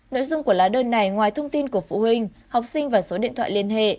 nội dung của lá đơn này ngoài thông tin của phụ huynh học sinh và số điện thoại liên hệ